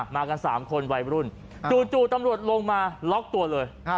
มากัน๓คนวัยรุ่นจู่ตำรวจลงมาล็อกตัวเลย